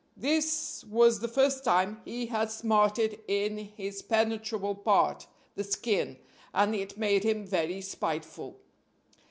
This was the first time he had smarted in his penetrable part the skin and it made him very spiteful.